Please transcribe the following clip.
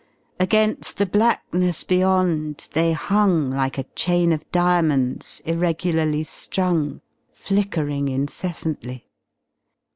Against the blackness beyond they hung like a chain of diamonds irregularly strung, flickering incessantly.